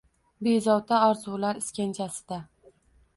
Bezovta orzular iskanjasida